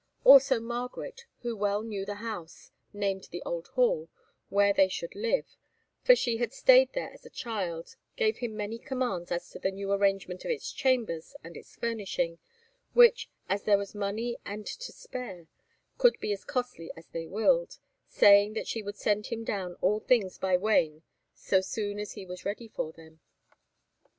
Also Margaret, who well knew the house, named the Old Hall, where they should live, for she had stayed there as a child, gave him many commands as to the new arrangement of its chambers and its furnishing, which, as there was money and to spare, could be as costly as they willed, saying that she would send him down all things by wain so soon as he was ready for them.